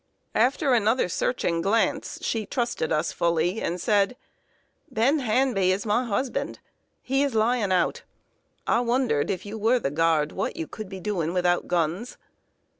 After another searching glance, she trusted us fully, and said: "Ben Hanby is my husband. He is lying out. I wondered, if you were the Guard, what you could be doing without guns.